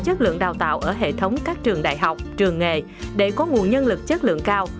chất lượng đào tạo ở hệ thống các trường đại học trường nghề để có nguồn nhân lực chất lượng cao